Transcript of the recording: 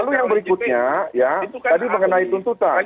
lalu yang berikutnya ya tadi mengenai tuntutan